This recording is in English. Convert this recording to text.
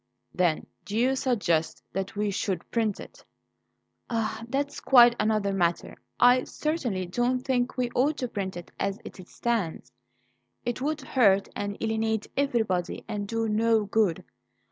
"Then do you suggest that we should print it?" "Ah! that's quite another matter. I certainly don't think we ought to print it as it stands; it would hurt and alienate everybody and do no good.